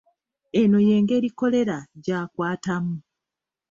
Eno y'engeri Kkolera gy'akwatamu.